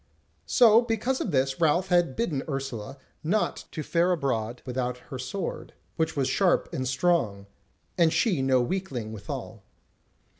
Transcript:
So because of this Ralph had bidden Ursula not to fare abroad without her sword, which was sharp and strong, and she no weakling withal.